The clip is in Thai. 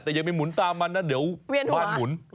แต่อย่าไปหมุนตามมันนะเดี๋ยวบ้านหมุน